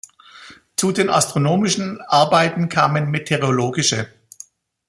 Zu den astronomischen Arbeiten kamen meteorologische.